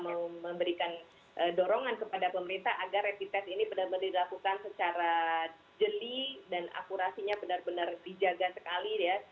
memberikan dorongan kepada pemerintah agar rapid test ini benar benar dilakukan secara jeli dan akurasinya benar benar dijaga sekali ya